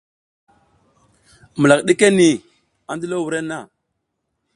Mulak ɗike niʼhi, a ndilo wurenna.